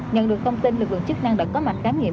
nhận được thông tin lực lượng chức năng đã có mặt khám nghiệm